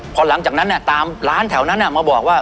พอหลังจากนั้นตามร้านแถวนั้นมาบอกว่า